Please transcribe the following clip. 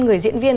người diễn viên